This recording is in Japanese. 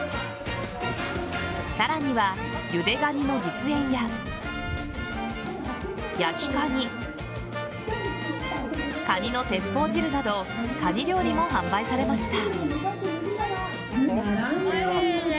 さらには、ゆでガニの実演や焼きカニ、カニの鉄砲汁などカニ料理も販売されました。